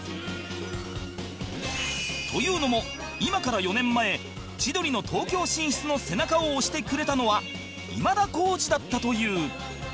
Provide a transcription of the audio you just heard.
というのも今から４年前千鳥の東京進出の背中を押してくれたのは今田耕司だったという